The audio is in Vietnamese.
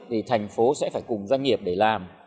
thì thành phố sẽ phải cùng doanh nghiệp để làm